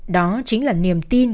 đó chính là niềm tin